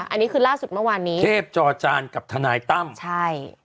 อันนี้คือล่าสุดเมื่อวานนี้เทพจอจานกับทนายตั้มใช่